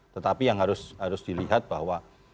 tetapi yang harus dilihat bahwa